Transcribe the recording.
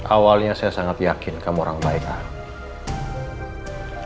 awalnya saya sangat yakin kamu orang baik ah